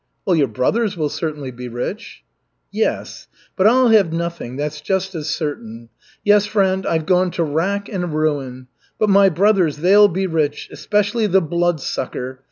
"Well, your brothers will certainly be rich." "Yes. But I'll have nothing, that's just as certain. Yes, friend, I've gone to rack and ruin. But my brothers, they'll be rich, especially the Bloodsucker.